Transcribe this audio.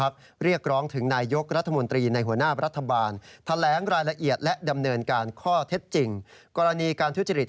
เกือบ๑สัปดาห์แล้วนะครับ